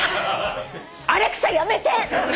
アレクサやめて！